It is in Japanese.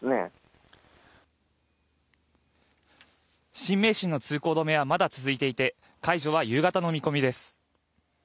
新名神の通行止めはまだ続いていて、解除は夕方の見込みです。